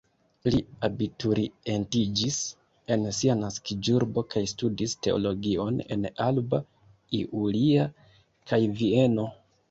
Li abiturientiĝis en sia naskiĝurbo kaj studis teologion en Alba Iulia kaj Vieno.